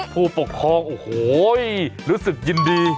ผู้ปกครองโอ้โหรู้สึกยินดี